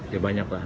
ya banyak lah